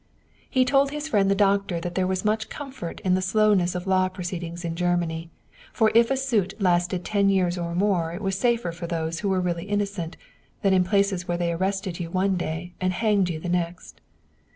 He told his friend the doctor that there was much comfort in the slowness of law proceedings in Germany, for if a suit lasted ten years or more it was safer for those who were really innocent, than in places where they arrested you one day and hanged you the next.